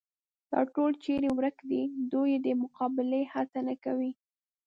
دا ټول چېرې ورک دي، دوی یې د مقابلې هڅه نه کوي.